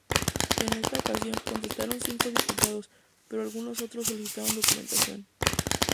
En esta ocasión, contestaron cinco diputados, pero algunos otros solicitaron documentación.